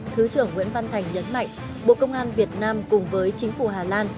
thứ trưởng nguyễn văn thành nhấn mạnh bộ công an việt nam cùng với chính phủ hà lan